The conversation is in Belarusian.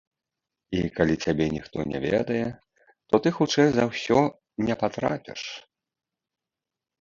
І калі цябе ніхто не ведае, то ты хутчэй за ўсё не патрапіш.